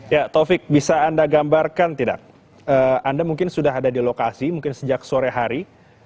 ya taufik bisa anda gambarkan tidak anda mungkin sudah ada di lokasi mungkin sejak sore hari